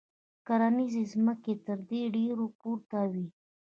کرنیزې ځمکې ترې ډېرې پورته وې.